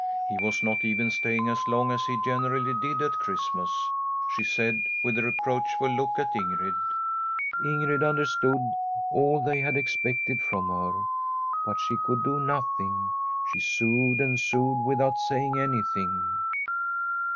He was not even staying as long as he generally did at Christmas, she said with a reproachful look at Ingrid. Incjid understood all they had expected from her, but she could do nothing. She sewed and sewed without saying anything.